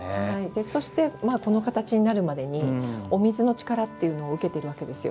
そしてこの形になるまでお水の力っていうのを受けているわけですよ。